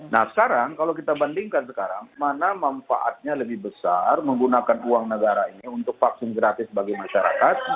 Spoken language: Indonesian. nah sekarang kalau kita bandingkan sekarang mana manfaatnya lebih besar menggunakan uang negara ini untuk vaksin gratis bagi masyarakat